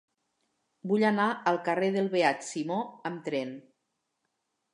Vull anar al carrer del Beat Simó amb tren.